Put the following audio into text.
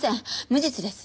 無実です。